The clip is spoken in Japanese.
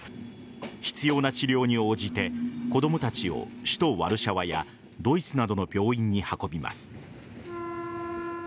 必要な治療に応じて子供たちを首都・ワルシャワやドイツなどの病院に運びます。